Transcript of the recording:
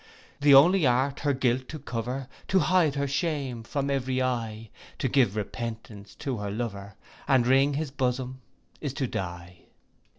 The only art her guilt to cover, To hide her shame from every eye, To give repentance to her lover, And wring his bosom—is to die.